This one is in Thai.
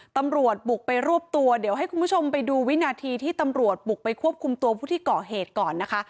ตำรวจบุกไปรวบตัวเดี๋ยวให้คุณผู้ชมไปดูวินาทีที่ตำรวจบุกไปควบคุมตัวผู้ที่ก่อเหตุก่อนนะคะ